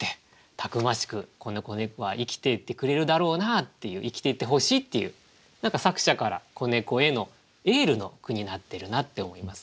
たくましくこの子猫は生きていってくれるだろうなっていう生きていってほしいっていう何か作者から子猫へのエールの句になってるなって思います。